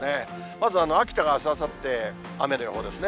まず秋田があす、あさって、雨の予報ですね。